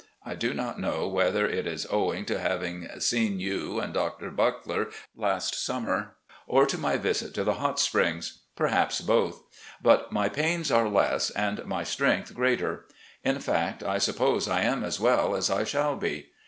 I do not know whether it is owing to having seen you and Doctor Buckler last summer, or to my visit to the Hot Springs. Perhaps both. But my pains are less, and my strength greater. In fact, I suppose I am as well as I shall be.